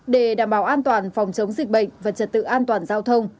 để đảm bảo an toàn phòng chống dịch bệnh và trật tự an toàn giao thông